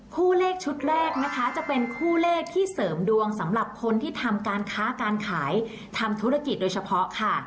คู่เลขชุดแรกนะคะจะเป็นคู่เลขที่เสริมดวงสำหรับคนที่ทำการค้าการขายทำธุรกิจโดยเฉพาะค่ะ